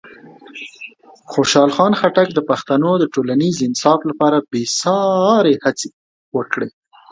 خوشحال خان خټک د پښتنو د ټولنیز انصاف لپاره بېساري هڅې وکړې.